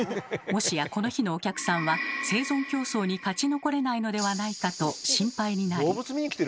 もしやこの日のお客さんは生存競争に勝ち残れないのではないかと心配になり。